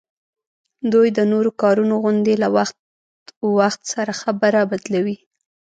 دوی د نورو کارونو غوندي له وخت وخت سره خبره بدلوي